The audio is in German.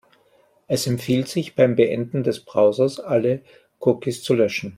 Es empfiehlt sich, beim Beenden des Browsers alle Cookies zu löschen.